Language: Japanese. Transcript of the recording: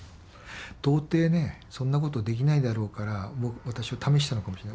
到底ねそんなことできないだろうから私を試したのかもしれない。